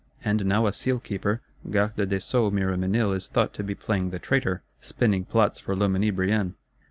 And now a Seal keeper, Garde des Sceaux Miroménil is thought to be playing the traitor: spinning plots for Loménie Brienne!